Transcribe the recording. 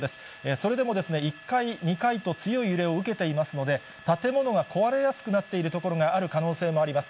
それでも１回、２回と、強い揺れを受けていますので、建物が壊れやすくなっている所がある可能性もあります。